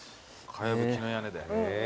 かやぶきの屋根で。